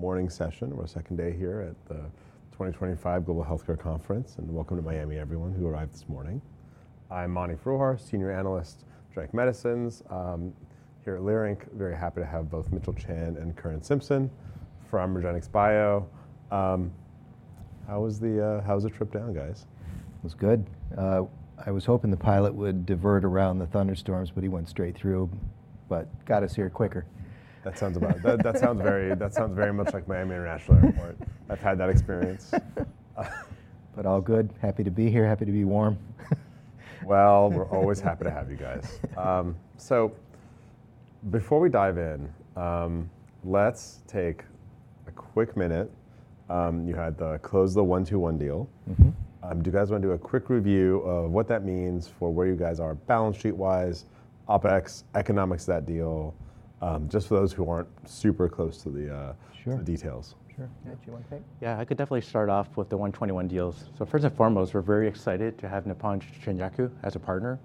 Morning session. We're on second day here at the 2025 Global Healthcare Conference, and welcome to Miami, everyone who arrived this morning. I'm Mani Foroohar, Senior Analyst at Trek Medicines. I'm here at Leerink, very happy to have both Mitchell Chan and Curran Simpson from REGENXBIO. How was the trip down, guys? It was good. I was hoping the pilot would divert around the thunderstorms, but he went straight through, but got us here quicker. That sounds very much like Miami International Airport. I've had that experience. All good. Happy to be here. Happy to be warm. We're always happy to have you guys. Before we dive in, let's take a quick minute. You had the close, the 121 deal. Do you guys want to do a quick review of what that means for where you guys are balance sheet-wise, OpEx, economics of that deal, just for those who aren't super close to the details? Sure. Mitch, do you want to take? Yeah, I could definitely start off with the 12-1 deals. First and foremost, we're very excited to have Nippon Shinyaku as a partner,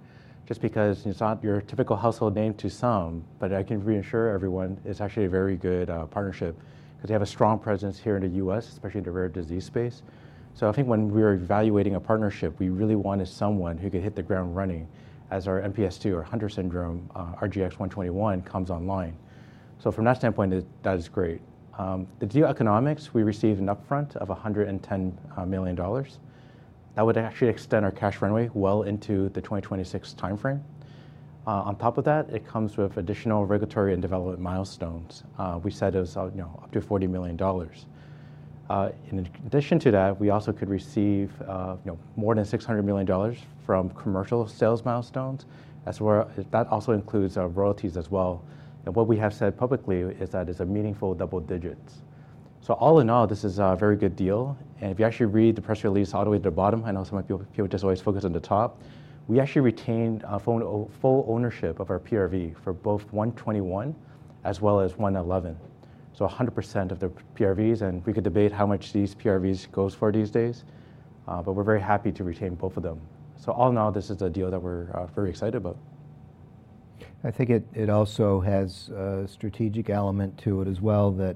just because it's not your typical household name to some, but I can reassure everyone, it's actually a very good partnership because they have a strong presence here in the US, especially in the rare disease space. I think when we were evaluating a partnership, we really wanted someone who could hit the ground running as our MPS II or Hunter Syndrome RGX-121 comes online. From that standpoint, that is great. The deal economics, we received an upfront of $110 million. That would actually extend our cash runway well into the 2026 timeframe. On top of that, it comes with additional regulatory and development milestones. We said it was up to $40 million. In addition to that, we also could receive more than $600 million from commercial sales milestones. That also includes royalties as well. What we have said publicly is that it's a meaningful double digits. All in all, this is a very good deal. If you actually read the press release all the way to the bottom, I know some people just always focus on the top, we actually retained full ownership of our PRV for both 121 as well as 111. 100% of the PRVs, and we could debate how much these PRVs go for these days, but we're very happy to retain both of them. All in all, this is a deal that we're very excited about. I think it also has a strategic element to it as well, that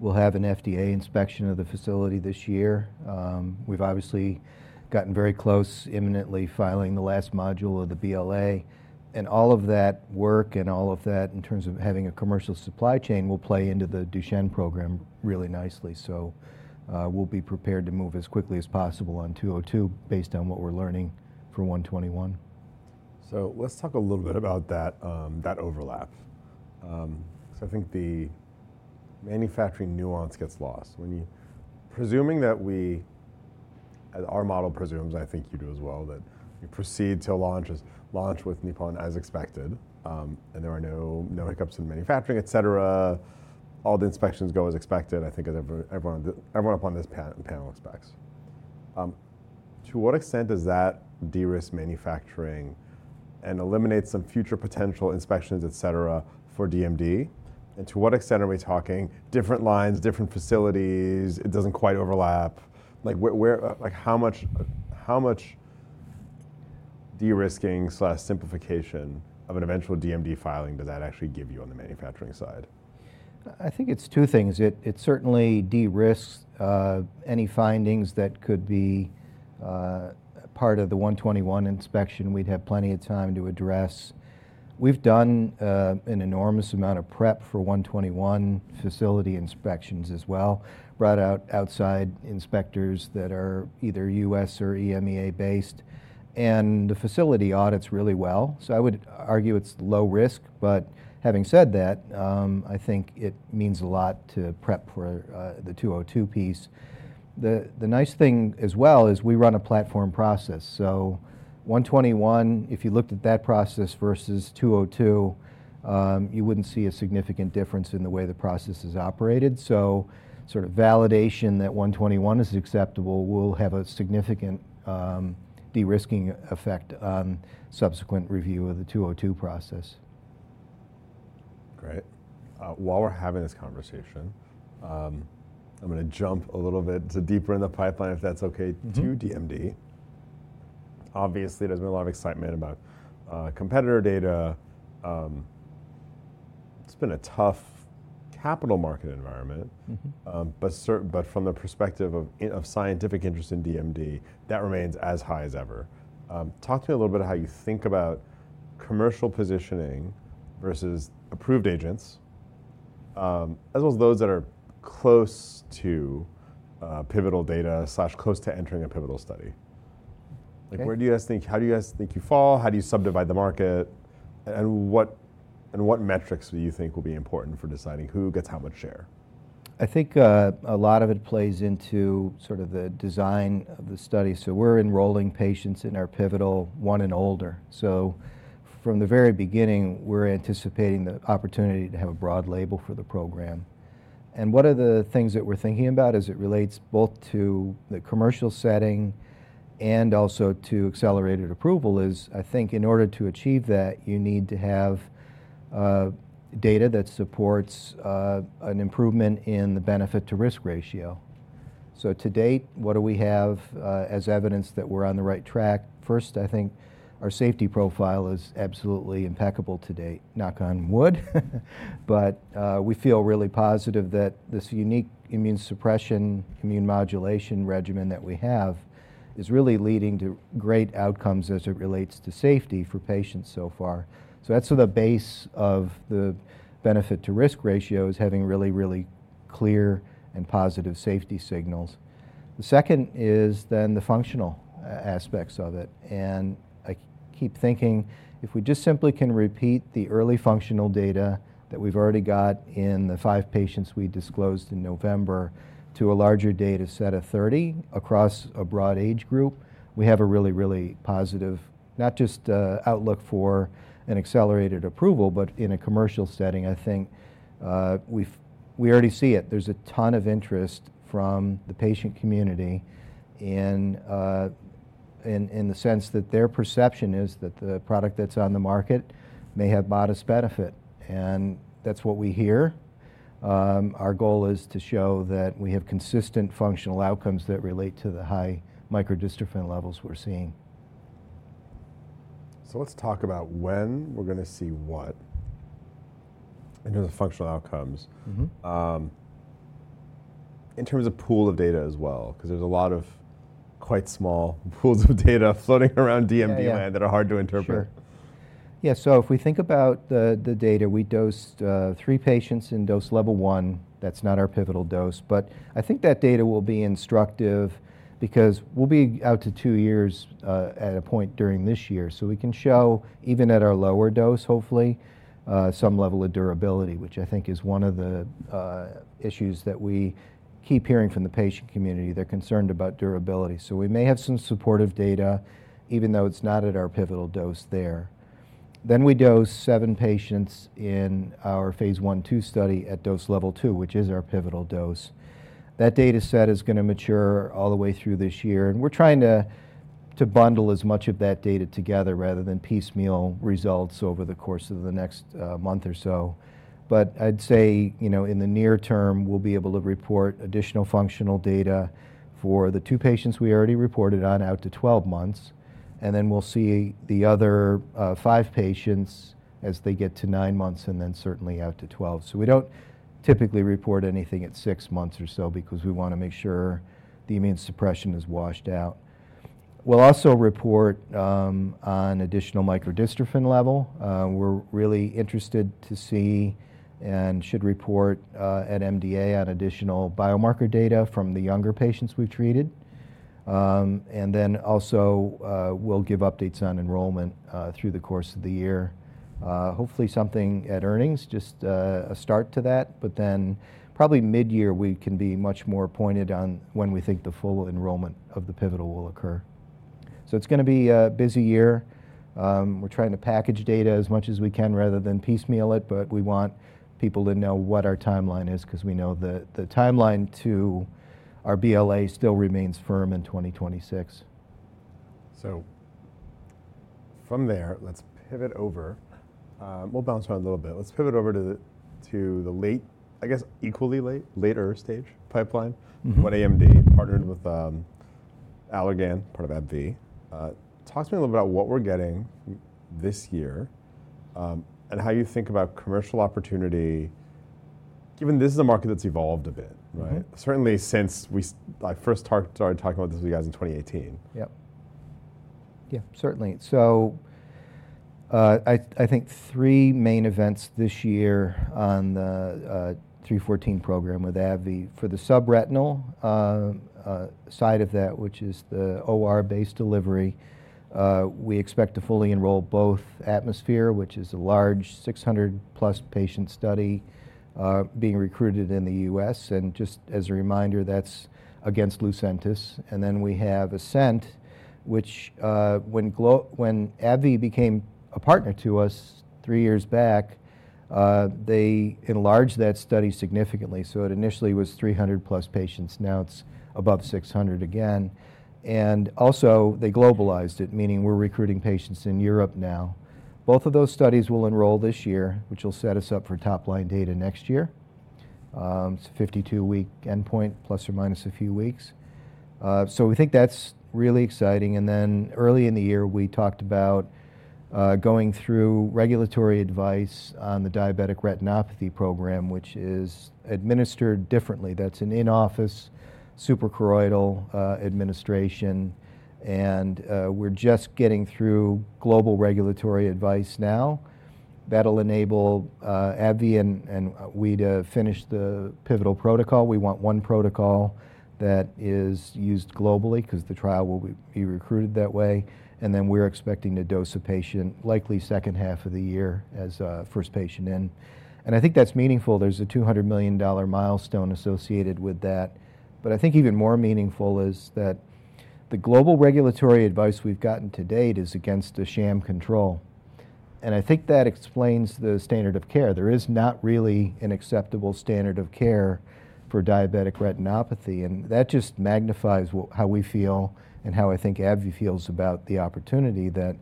we'll have an FDA inspection of the facility this year. We've obviously gotten very close imminently filing the last module of the BLA. All of that work and all of that in terms of having a commercial supply chain will play into the Duchenne program really nicely. We'll be prepared to move as quickly as possible on 202 based on what we're learning for 121. Let's talk a little bit about that overlap because I think the manufacturing nuance gets lost. Presuming that we, as our model presumes, I think you do as well, that you proceed to launch with Nippon as expected, and there are no hiccups in manufacturing, et cetera, all the inspections go as expected, I think everyone upon this panel expects. To what extent does that de-risk manufacturing and eliminate some future potential inspections, et cetera, for DMD? And to what extent are we talking different lines, different facilities? It does not quite overlap. How much de-risking/simplification of an eventual DMD filing does that actually give you on the manufacturing side? I think it's two things. It certainly de-risks any findings that could be part of the 121 inspection. We'd have plenty of time to address. We've done an enormous amount of prep for 121 facility inspections as well, brought out outside inspectors that are either US or EMEA based, and the facility audits really well. I would argue it's low risk. Having said that, I think it means a lot to prep for the 202 piece. The nice thing as well is we run a platform process. 121, if you looked at that process versus 202, you wouldn't see a significant difference in the way the process is operated. Sort of validation that 121 is acceptable will have a significant de-risking effect on subsequent review of the 202 process. Great. While we're having this conversation, I'm going to jump a little bit deeper in the pipeline, if that's OK, to DMD. Obviously, there's been a lot of excitement about competitor data. It's been a tough capital market environment. From the perspective of scientific interest in DMD, that remains as high as ever. Talk to me a little bit about how you think about commercial positioning versus approved agents, as well as those that are close to pivotal data/close to entering a pivotal study. Where do you guys think, how do you guys think you fall? How do you subdivide the market? What metrics do you think will be important for deciding who gets how much share? I think a lot of it plays into sort of the design of the study. We are enrolling patients in our pivotal one and older. From the very beginning, we are anticipating the opportunity to have a broad label for the program. One of the things that we are thinking about as it relates both to the commercial setting and also to accelerated approval is, I think, in order to achieve that, you need to have data that supports an improvement in the benefit-to-risk ratio. To date, what do we have as evidence that we are on the right track? First, I think our safety profile is absolutely impeccable to date. Knock on wood. We feel really positive that this unique immune suppression, immune modulation regimen that we have is really leading to great outcomes as it relates to safety for patients so far. That's the base of the benefit-to-risk ratio, is having really, really clear and positive safety signals. The second is then the functional aspects of it. I keep thinking, if we just simply can repeat the early functional data that we've already got in the five patients we disclosed in November to a larger data set of 30 across a broad age group, we have a really, really positive, not just outlook for an accelerated approval, but in a commercial setting, I think we already see it. There's a ton of interest from the patient community in the sense that their perception is that the product that's on the market may have modest benefit. That's what we hear. Our goal is to show that we have consistent functional outcomes that relate to the high microdystrophin levels we're seeing. Let's talk about when we're going to see what in terms of functional outcomes, in terms of pool of data as well, because there's a lot of quite small pools of data floating around DMD land that are hard to interpret. Yeah, so if we think about the data, we dosed three patients in dose level one. That's not our pivotal dose. I think that data will be instructive because we'll be out to two years at a point during this year. We can show, even at our lower dose, hopefully, some level of durability, which I think is one of the issues that we keep hearing from the patient community. They're concerned about durability. We may have some supportive data, even though it's not at our pivotal dose there. We dose seven patients in our phase I-II study at dose level two, which is our pivotal dose. That data set is going to mature all the way through this year. We're trying to bundle as much of that data together rather than piecemeal results over the course of the next month or so. I'd say in the near term, we'll be able to report additional functional data for the two patients we already reported on out to 12 months. We'll see the other five patients as they get to nine months and then certainly out to 12. We don't typically report anything at six months or so because we want to make sure the immune suppression is washed out. We'll also report on additional microdystrophin level. We're really interested to see and should report at MDA on additional biomarker data from the younger patients we've treated. We'll give updates on enrollment through the course of the year, hopefully something at earnings, just a start to that. Probably mid-year, we can be much more pointed on when we think the full enrollment of the pivotal will occur. It's going to be a busy year. We're trying to package data as much as we can rather than piecemeal it. We want people to know what our timeline is because we know the timeline to our BLA still remains firm in 2026. From there, let's pivot over. We'll bounce around a little bit. Let's pivot over to the late, I guess equally late, later stage pipeline, when AMD partnered with Allergan, part of AbbVie. Talk to me a little bit about what we're getting this year and how you think about commercial opportunity, given this is a market that's evolved a bit, right? Certainly since we first started talking about this with you guys in 2018. Yep. Yeah, certainly. I think three main events this year on the 314 program with AbbVie for the subretinal side of that, which is the OR-based delivery. We expect to fully enroll both Atmosphere, which is a large 600-plus patient study being recruited in the US And just as a reminder, that's against Lucentis. We have Ascent, which when AbbVie became a partner to us three years back, they enlarged that study significantly. It initially was 300+ patients. Now it's above 600 again. Also, they globalized it, meaning we're recruiting patients in Europe now. Both of those studies will enroll this year, which will set us up for top-line data next year. It's a 52-week endpoint, plus or minus a few weeks. We think that's really exciting. Early in the year, we talked about going through regulatory advice on the diabetic retinopathy program, which is administered differently. That is an in-office suprachoroidal administration. We are just getting through global regulatory advice now. That will enable AbbVie and us to finish the pivotal protocol. We want one protocol that is used globally because the trial will be recruited that way. We are expecting to dose a patient likely second half of the year as a first patient in. I think that is meaningful. There is a $200 million milestone associated with that. I think even more meaningful is that the global regulatory advice we have gotten to date is against a sham control. I think that explains the standard of care. There is not really an acceptable standard of care for diabetic retinopathy. That just magnifies how we feel and how I think AbbVie feels about the opportunity that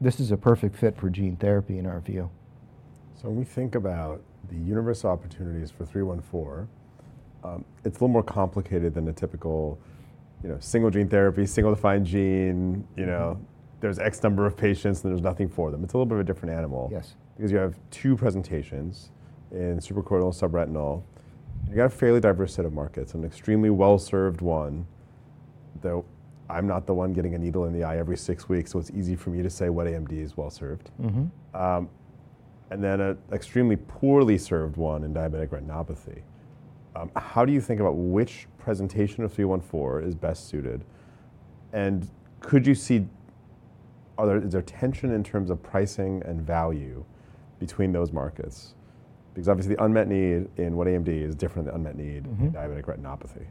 this is a perfect fit for gene therapy in our view. When we think about the universe opportunities for 314, it's a little more complicated than a typical single gene therapy, single defined gene. There's X number of patients, and there's nothing for them. It's a little bit of a different animal because you have two presentations in suprachoroidal and subretinal. You got a fairly diverse set of markets, an extremely well-served one that I'm not the one getting a needle in the eye every six weeks, so it's easy for me to say wet AMD is well-served, and then an extremely poorly served one in diabetic retinopathy. How do you think about which presentation of 314 is best suited? Could you see are there tension in terms of pricing and value between those markets? Because obviously, the unmet need in wet AMD is different than the unmet need in diabetic retinopathy.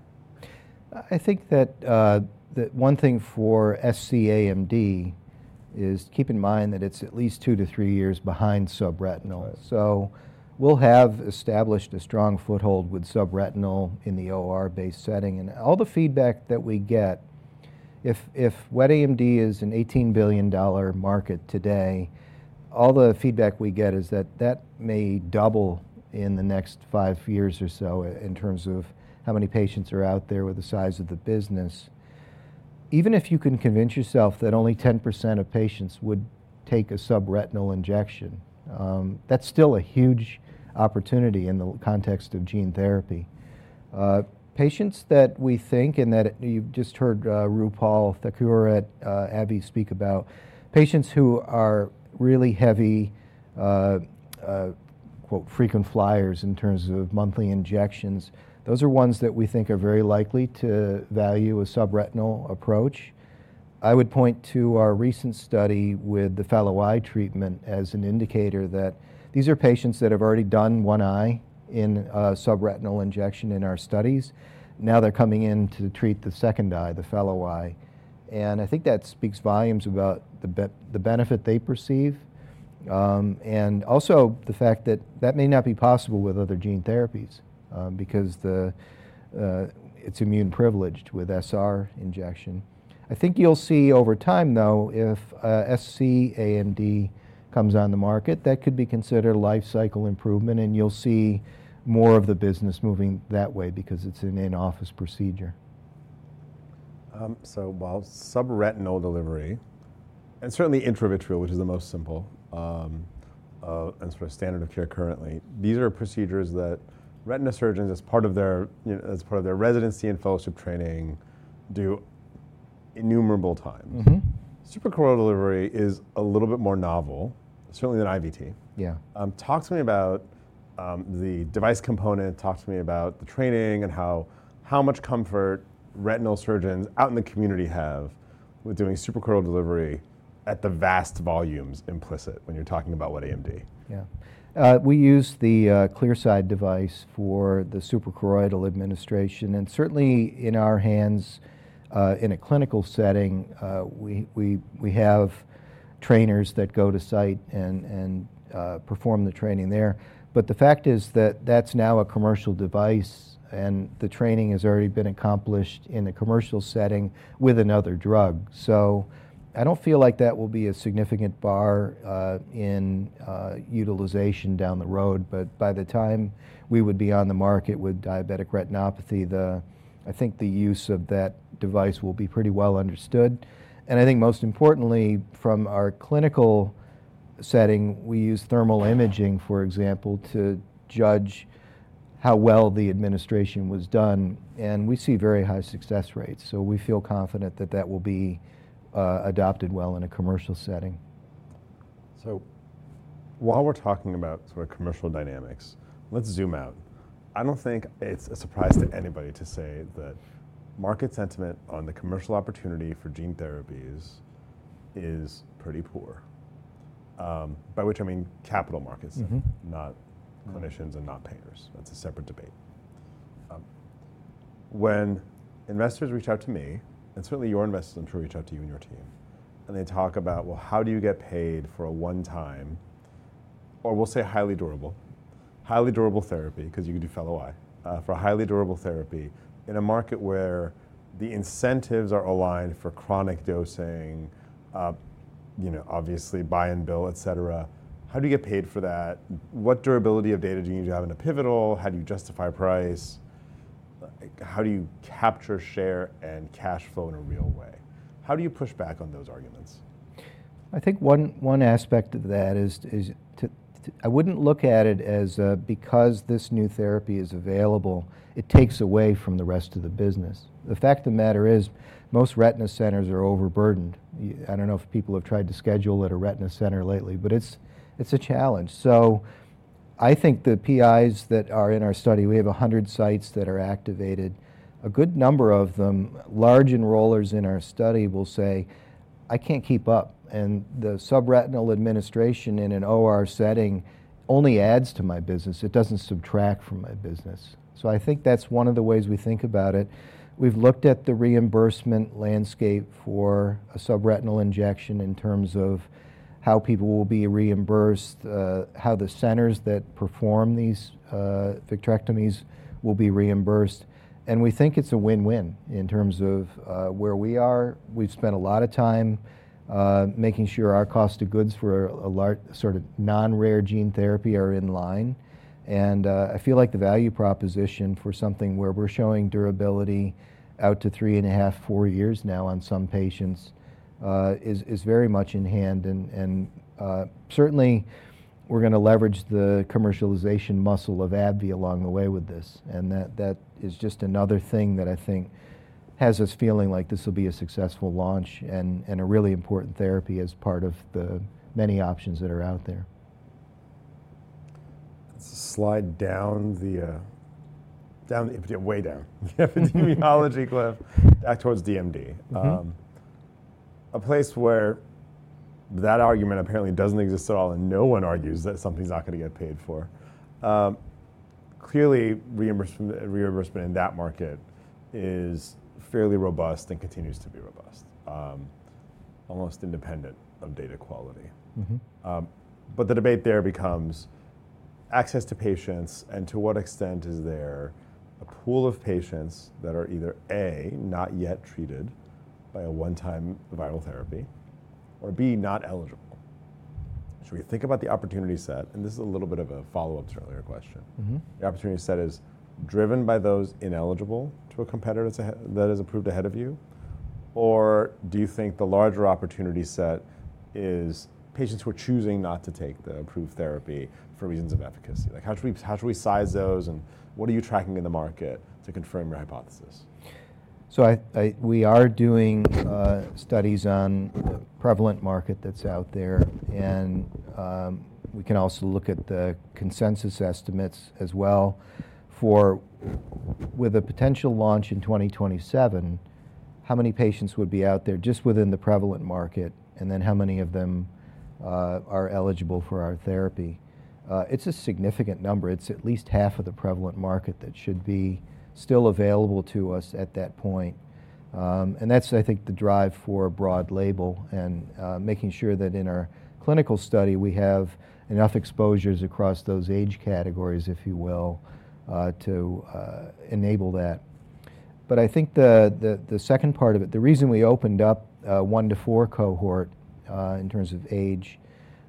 I think that one thing for SC AMD is keep in mind that it's at least two to three years behind subretinal. We'll have established a strong foothold with subretinal in the OR-based setting. All the feedback that we get, if wet AMD is an $18 billion market today, all the feedback we get is that that may double in the next five years or so in terms of how many patients are out there with the size of the business. Even if you can convince yourself that only 10% of patients would take a subretinal injection, that's still a huge opportunity in the context of gene therapy. Patients that we think, and that you've just heard Roopal Thakkar at AbbVie speak about, patients who are really heavy, quote, frequent flyers in terms of monthly injections, those are ones that we think are very likely to value a subretinal approach. I would point to our recent study with the fellow eye treatment as an indicator that these are patients that have already done one eye in a subretinal injection in our studies. Now they're coming in to treat the second eye, the fellow eye. I think that speaks volumes about the benefit they perceive and also the fact that that may not be possible with other gene therapies because it's immune privileged with SR injection. I think you'll see over time, though, if SC AMD comes on the market, that could be considered a life cycle improvement. You will see more of the business moving that way because it is an in-office procedure. While subretinal delivery and certainly intravitreal, which is the most simple and sort of standard of care currently, these are procedures that retina surgeons, as part of their residency and fellowship training, do innumerable times. Suprachoroidal delivery is a little bit more novel, certainly than IVT. Yeah, talk to me about the device component. Talk to me about the training and how much comfort retinal surgeons out in the community have with doing suprachoroidal delivery at the vast volumes implicit when you're talking about wet AMD. Yeah, we use the Clearside device for the suprachoroidal administration. Certainly, in our hands, in a clinical setting, we have trainers that go to site and perform the training there. The fact is that that's now a commercial device, and the training has already been accomplished in a commercial setting with another drug. I don't feel like that will be a significant bar in utilization down the road. By the time we would be on the market with diabetic retinopathy, I think the use of that device will be pretty well understood. I think most importantly, from our clinical setting, we use thermal imaging, for example, to judge how well the administration was done. We see very high success rates. We feel confident that that will be adopted well in a commercial setting. While we're talking about sort of commercial dynamics, let's zoom out. I don't think it's a surprise to anybody to say that market sentiment on the commercial opportunity for gene therapies is pretty poor, by which I mean capital markets, not clinicians and not payers. That's a separate debate. When investors reach out to me, and certainly your investors will reach out to you and your team, and they talk about, well, how do you get paid for a one-time, or we'll say highly durable, highly durable therapy because you can do fellow eye for a highly durable therapy in a market where the incentives are aligned for chronic dosing, obviously buy and bill, et cetera. How do you get paid for that? What durability of data do you need to have in a pivotal? How do you justify price? How do you capture share and cash flow in a real way? How do you push back on those arguments? I think one aspect of that is I wouldn't look at it as because this new therapy is available, it takes away from the rest of the business. The fact of the matter is most retina centers are overburdened. I don't know if people have tried to schedule at a retina center lately, but it's a challenge. I think the PIs that are in our study, we have 100 sites that are activated. A good number of them, large enrollers in our study, will say, I can't keep up. The subretinal administration in an OR setting only adds to my business. It doesn't subtract from my business. I think that's one of the ways we think about it. We've looked at the reimbursement landscape for a subretinal injection in terms of how people will be reimbursed, how the centers that perform these vitrectomies will be reimbursed. We think it's a win-win in terms of where we are. We've spent a lot of time making sure our cost of goods for a sort of non-rare gene therapy are in line. I feel like the value proposition for something where we're showing durability out to three and a half, four years now on some patients is very much in hand. Certainly, we're going to leverage the commercialization muscle of AbbVie along the way with this. That is just another thing that I think has us feeling like this will be a successful launch and a really important therapy as part of the many options that are out there. Let's slide down the way down epidemiology glyph back towards DMD, a place where that argument apparently doesn't exist at all and no one argues that something's not going to get paid for. Clearly, reimbursement in that market is fairly robust and continues to be robust, almost independent of data quality. The debate there becomes access to patients and to what extent is there a pool of patients that are either A, not yet treated by a one-time viral therapy, or B, not eligible. We think about the opportunity set. This is a little bit of a follow-up to earlier question. The opportunity set is driven by those ineligible to a competitor that is approved ahead of you? Do you think the larger opportunity set is patients who are choosing not to take the approved therapy for reasons of efficacy? How should we size those? What are you tracking in the market to confirm your hypothesis? We are doing studies on the prevalent market that's out there. We can also look at the consensus estimates as well for, with a potential launch in 2027, how many patients would be out there just within the prevalent market, and then how many of them are eligible for our therapy. It's a significant number. It's at least half of the prevalent market that should be still available to us at that point. I think the drive for broad label and making sure that in our clinical study, we have enough exposures across those age categories, if you will, to enable that. I think the second part of it, the reason we opened up one to four cohort in terms of age,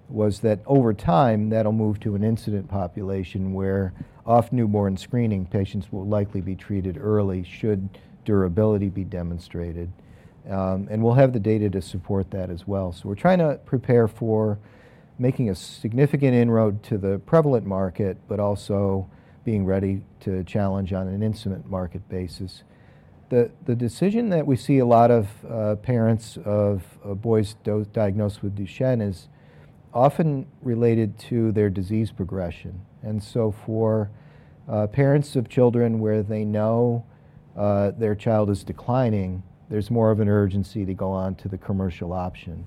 was that over time, that'll move to an incident population where off-newborn screening patients will likely be treated early should durability be demonstrated. We will have the data to support that as well. We are trying to prepare for making a significant inroad to the prevalent market, but also being ready to challenge on an incident market basis. The decision that we see a lot of parents of boys diagnosed with Duchenne's often related to their disease progression. For parents of children where they know their child is declining, there is more of an urgency to go on to the commercial option.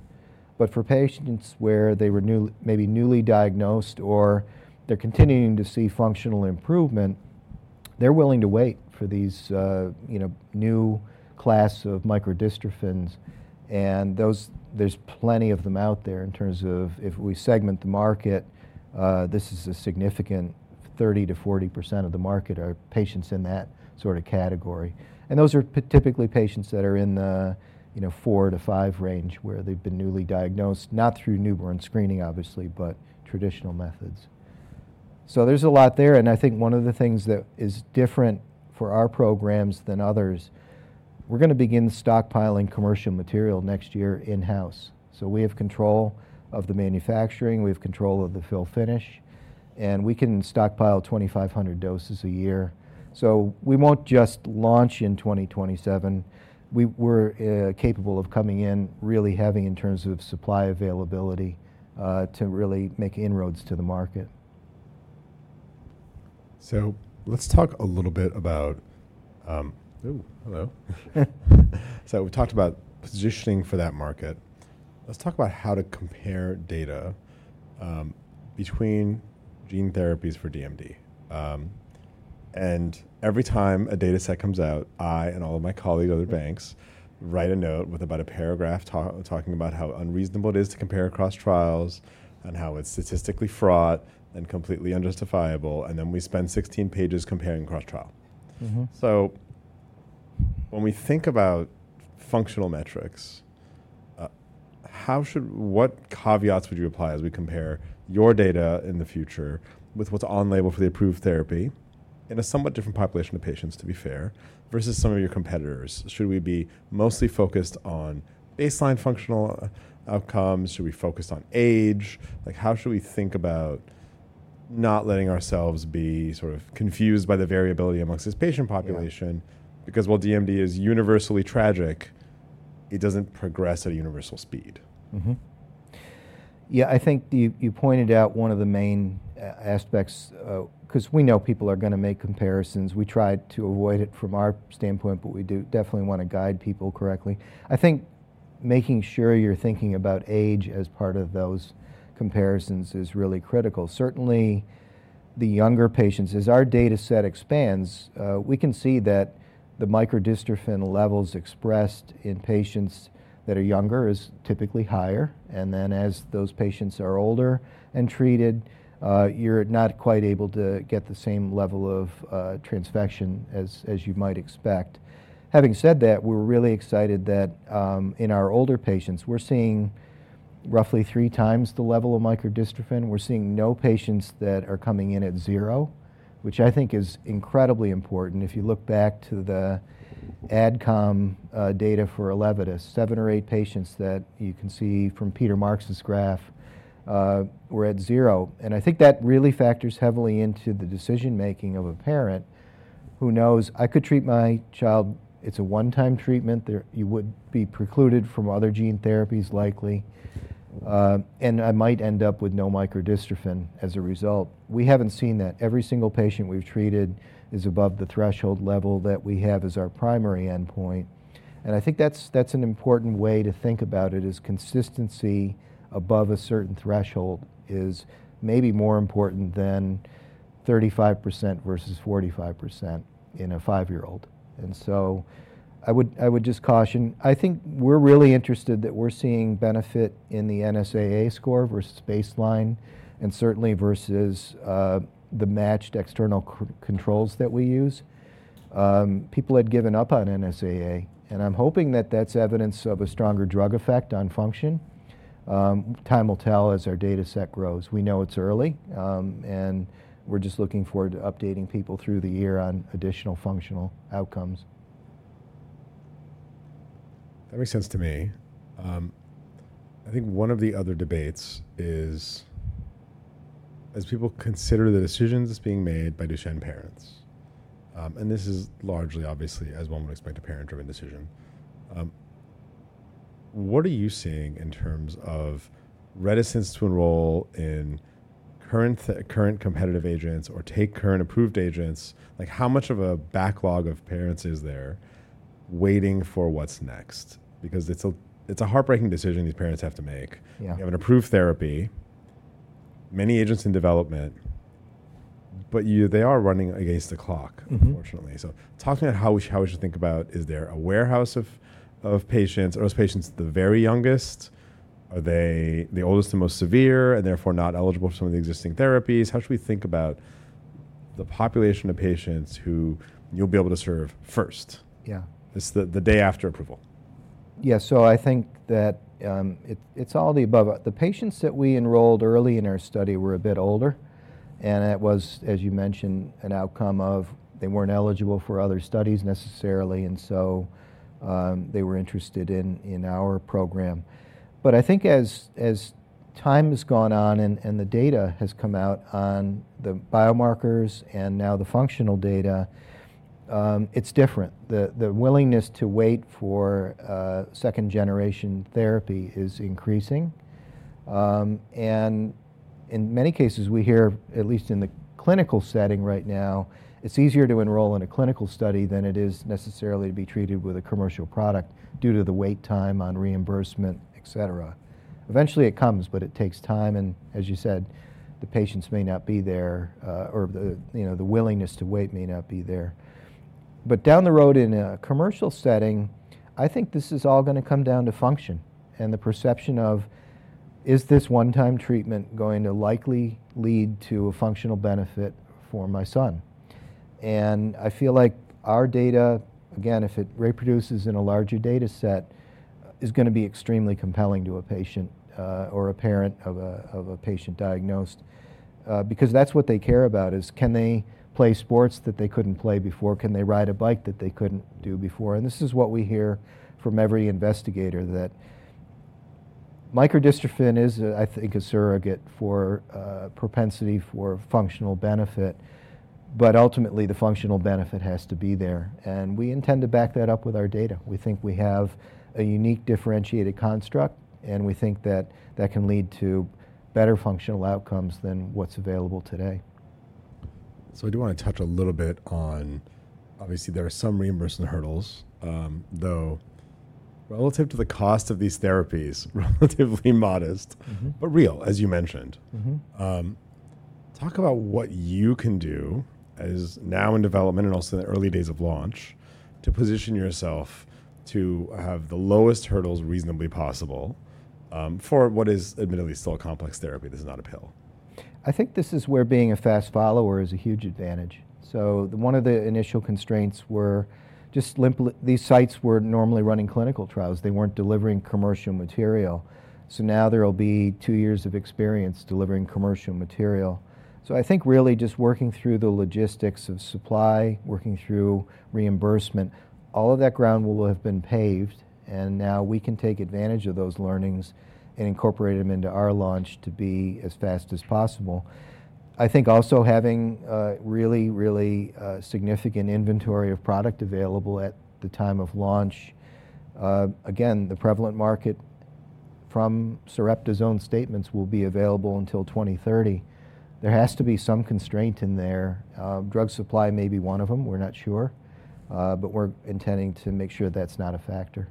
For patients where they were maybe newly diagnosed or they are continuing to see functional improvement, they are willing to wait for these new class of microdystrophins. There are plenty of them out there in terms of if we segment the market, this is a significant 30% to 40% of the market are patients in that sort of category. Those are typically patients that are in the four to five range where they've been newly diagnosed, not through newborn screening, obviously, but traditional methods. There is a lot there. I think one of the things that is different for our programs than others, we're going to begin stockpiling commercial material next year in-house. We have control of the manufacturing. We have control of the fill finish. We can stockpile 2,500 doses a year. We will not just launch in 2027. We are capable of coming in really heavy in terms of supply availability to really make inroads to the market. Let's talk a little bit about, oh, hello. We've talked about positioning for that market. Let's talk about how to compare data between gene therapies for DMD. Every time a data set comes out, I and all of my colleagues at other banks write a note with about a paragraph talking about how unreasonable it is to compare across trials and how it's statistically fraught and completely unjustifiable. Then we spend 16 pages comparing across trial. When we think about functional metrics, what caveats would you apply as we compare your data in the future with what's on label for the approved therapy in a somewhat different population of patients, to be fair, versus some of your competitors? Should we be mostly focused on baseline functional outcomes? Should we focus on age? How should we think about not letting ourselves be sort of confused by the variability amongst this patient population? Because while DMD is universally tragic, it doesn't progress at a universal speed. Yeah, I think you pointed out one of the main aspects because we know people are going to make comparisons. We try to avoid it from our standpoint, but we definitely want to guide people correctly. I think making sure you're thinking about age as part of those comparisons is really critical. Certainly, the younger patients, as our data set expands, we can see that the microdystrophin levels expressed in patients that are younger is typically higher. As those patients are older and treated, you're not quite able to get the same level of transfection as you might expect. Having said that, we're really excited that in our older patients, we're seeing roughly three times the level of microdystrophin. We're seeing no patients that are coming in at zero, which I think is incredibly important. If you look back to the Adcom data for Elevidys, seven or eight patients that you can see from Peter Marks' graph were at zero. I think that really factors heavily into the decision-making of a parent who knows, I could treat my child. It's a one-time treatment. You would be precluded from other gene therapies likely. I might end up with no microdystrophin as a result. We haven't seen that. Every single patient we've treated is above the threshold level that we have as our primary endpoint. I think that's an important way to think about it is consistency above a certain threshold is maybe more important than 35% versus 45% in a five-year-old. I would just caution. I think we're really interested that we're seeing benefit in the NSAA score versus baseline and certainly versus the matched external controls that we use. People had given up on NSAA. I am hoping that that is evidence of a stronger drug effect on function. Time will tell as our data set grows. We know it is early. We are just looking forward to updating people through the year on additional functional outcomes. That makes sense to me. I think one of the other debates is, as people consider the decisions being made by Duchenne parents, and this is largely obviously as one would expect a parent-driven decision, what are you seeing in terms of reticence to enroll in current competitive agents or take current approved agents? How much of a backlog of parents is there waiting for what's next? Because it's a heartbreaking decision these parents have to make. You have an approved therapy, many agents in development, but they are running against the clock, unfortunately. Talking about how we should think about, is there a warehouse of patients? Are those patients the very youngest? Are they the oldest and most severe and therefore not eligible for some of the existing therapies? How should we think about the population of patients who you'll be able to serve first? Yeah, the day after approval. Yeah, I think that it's all of the above. The patients that we enrolled early in our study were a bit older. It was, as you mentioned, an outcome of they weren't eligible for other studies necessarily. They were interested in our program. I think as time has gone on and the data has come out on the biomarkers and now the functional data, it's different. The willingness to wait for 2nd generation therapy is increasing. In many cases, we hear, at least in the clinical setting right now, it's easier to enroll in a clinical study than it is necessarily to be treated with a commercial product due to the wait time on reimbursement, et cetera. Eventually, it comes, but it takes time. As you said, the patients may not be there or the willingness to wait may not be there. Down the road in a commercial setting, I think this is all going to come down to function and the perception of, is this one-time treatment going to likely lead to a functional benefit for my son? I feel like our data, again, if it reproduces in a larger data set, is going to be extremely compelling to a patient or a parent of a patient diagnosed because that's what they care about is can they play sports that they could not play before? Can they ride a bike that they could not do before? This is what we hear from every investigator, that microdystrophin is, I think, a surrogate for propensity for functional benefit. Ultimately, the functional benefit has to be there. We intend to back that up with our data. We think we have a unique differentiated construct. We think that that can lead to better functional outcomes than what's available today. I do want to touch a little bit on, obviously, there are some reimbursement hurdles, though relative to the cost of these therapies, relatively modest, but real, as you mentioned. Talk about what you can do as now in development and also in the early days of launch to position yourself to have the lowest hurdles reasonably possible for what is admittedly still a complex therapy. This is not a pill. I think this is where being a fast follower is a huge advantage. One of the initial constraints were just these sites were normally running clinical trials. They were not delivering commercial material. Now there will be two years of experience delivering commercial material. I think really just working through the logistics of supply, working through reimbursement, all of that ground will have been paved. We can take advantage of those learnings and incorporate them into our launch to be as fast as possible. I think also having a really, really significant inventory of product available at the time of launch. Again, the prevalent market from Sarepta's own statements will be available until 2030. There has to be some constraint in there. Drug supply may be one of them. We are not sure. We are intending to make sure that is not a factor.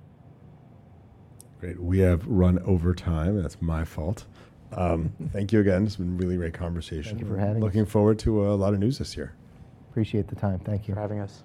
Great. We have run over time. That's my fault. Thank you again. It's been a really great conversation. Thank you for having us. Looking forward to a lot of news this year. Appreciate the time. Thank you. For having us.